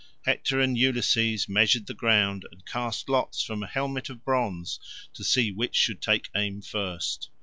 Hector and Ulysses measured the ground, and cast lots from a helmet of bronze to see which should take aim first.